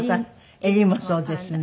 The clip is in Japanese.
襟もそうですね。